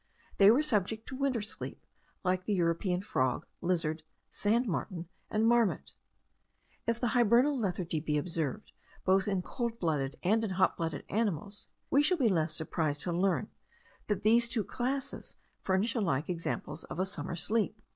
They were subject to a winter sleep, like the European frog, lizard, sand martin, and marmot. If the hibernal lethargy be observed, both in cold blooded and in hot blooded animals, we shall be less surprised to learn, that these two classes furnish alike examples of a summer sleep.